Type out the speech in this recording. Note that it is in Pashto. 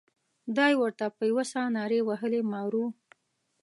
دای ورته په یوه ساه نارې وهي مارو.